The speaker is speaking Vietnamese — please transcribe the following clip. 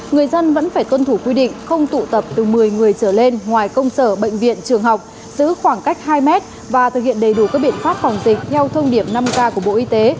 người dân vẫn phải tuân thủ quy định không tụ tập từ một mươi người trở lên ngoài công sở bệnh viện trường học giữ khoảng cách hai mét và thực hiện đầy đủ các biện pháp phòng dịch theo thông điệp năm k của bộ y tế